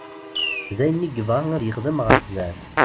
D ayen i yebɣa ad yexdem ɣer sdat.